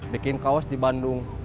bikin kaos di bandung